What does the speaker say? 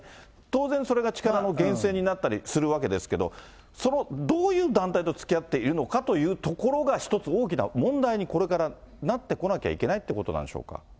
当然それが力の源泉になったりするわけですけど、どういう団体とつきあっているのかというところがひとつ大きな問題にこれからなってこなきゃいけないっていうことなんでしょうか。